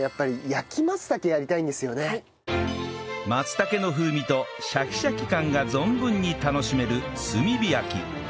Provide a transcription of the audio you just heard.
松茸の風味とシャキシャキ感が存分に楽しめる炭火焼き